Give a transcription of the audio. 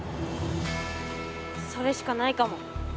それしかないかも。